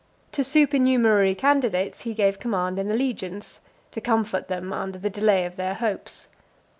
To supernumerary candidates he gave command in the legions, to comfort them under the delay of their hopes.